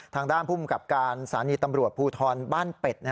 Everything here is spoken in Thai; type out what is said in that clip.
ทางด้านภูมิกับการสถานีตำรวจภูทรบ้านเป็ด